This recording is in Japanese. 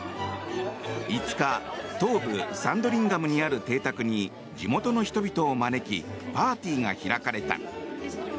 ５日東部サンドリンガムにある邸宅に地元の人々を招きパーティーが開かれた。